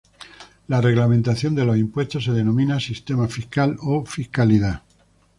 La reglamentación de los impuestos se denomina sistema fiscal o fiscalidad.